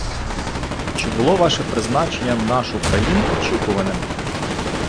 Чи було ваше призначення в нашу країну очікуваним?